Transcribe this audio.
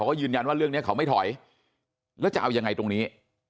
ก็ยืนยันว่าเรื่องนี้เขาไม่ถอยแล้วจะเอายังไงตรงนี้